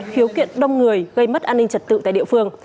khiếu kiện đông người gây mất an ninh trật tự tại địa phương